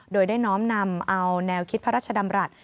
โดยได้น้อมนำเอาแนวคิดพระราชดำรัฐ